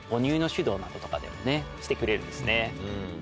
などとかでもねしてくれるんですね。